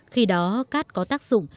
khi đó cát có tác dụng